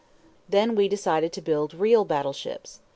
Then we decided to build real battle ships.